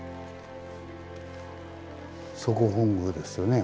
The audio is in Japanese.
そこ本宮ですよね。